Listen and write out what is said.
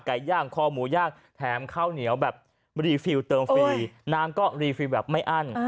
ย่างคอหมูย่างแถมข้าวเหนียวแบบรีฟิลเติมฟรีน้ำก็รีฟิลแบบไม่อั้น